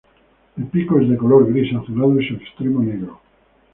El pico es color gris-azulado y su extremo negro.